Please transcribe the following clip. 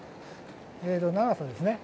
長さですね。